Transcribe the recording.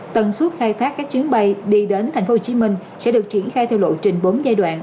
tần suất khai thác các chuyến bay đi đến tp hcm sẽ được triển khai theo lộ trình bốn giai đoạn